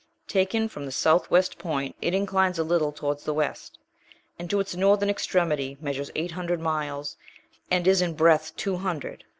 Taken from the south west point it inclines a little towards the west, and to its northern extremity measures eight hundred miles, and is in breadth two hundred.